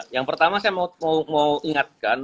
yang pertama saya mau ingatkan